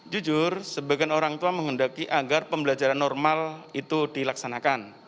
jujur sebagian orang tua menghendaki agar pembelajaran normal itu dilaksanakan